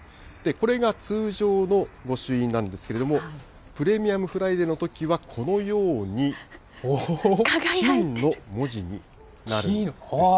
これが通常の御朱印なんですけれども、プレミアムフライデーのときはこのように金の文字になるんです。